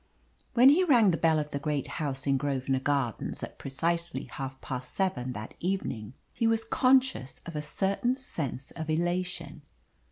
When he rang the bell of the great house in Grosvenor Gardens at precisely half past seven that evening, he was conscious of a certain sense of elation.